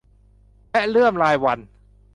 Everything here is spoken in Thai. และเลื่อมลายวรรณ